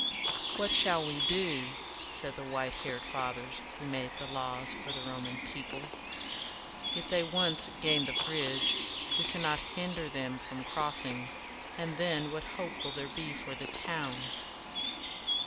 "What shall we do?" said the white haired Fathers who made the laws for the Roman people. "If they once gain the bridge, we cannot hinder them from crossing; and then what hope will there be for the town?"